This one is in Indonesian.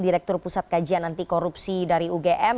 direktur pusat kajian anti korupsi dari ugm